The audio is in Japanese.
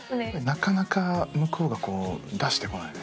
なかなか向こうがこう出してこないね。